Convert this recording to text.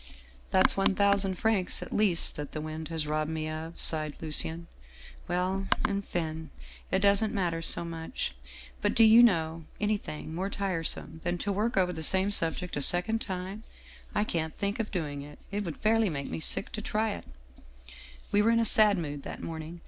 "' That's one thousand francs, at least, that the wind has robbed me of,' sighed Lucien. ' Well, enfin, that doesn't matter so much. But do you know anything more tiresome than to work over the same subject a second time? I can't think of doing it. It would fairly make me sick to try it/ " We were in a sad mood that morning.